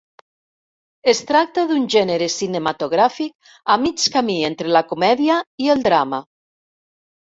Es tracta d'un gènere cinematogràfic a mig camí entre la comèdia i el drama.